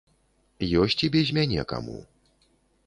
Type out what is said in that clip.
Ёсць і без мяне каму.